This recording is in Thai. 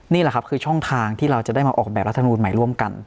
นี่แหละครับคือช่องทางที่เราจะได้มาออกแบบรัฐมนูลใหม่ร่วมกัน